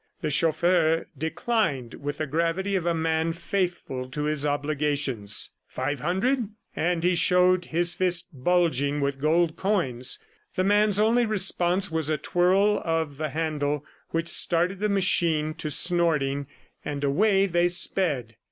The chauffeur declined with the gravity of a man faithful to his obligations. ... "Five hundred?" ... and he showed his fist bulging with gold coins. The man's only response was a twirl of the handle which started the machine to snorting, and away they sped.